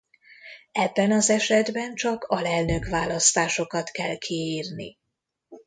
Ebben az esetben csak alelnök-választásokat kell kiírni.